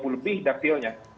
dua ribu lebih daktilnya